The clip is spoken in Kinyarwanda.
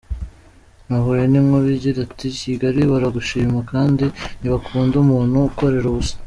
Nahuye n’inkuru igira iti Kigali baragushima, kandi ntibakunda umuntu ukorera ubusa!